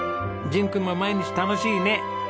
ジン君も毎日楽しいね。